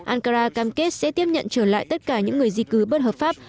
ankara cam kết sẽ tiếp nhận trở lại tất cả những người di cư bất hợp pháp